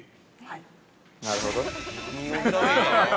◆なるほど。